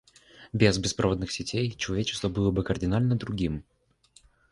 Без беспроводных сетей человечество было бы кардинально другим.